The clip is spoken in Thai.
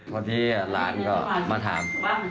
พอที่หลานก็มาถาม